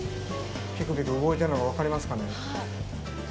ぴくぴく動いてるのが分かりますかね。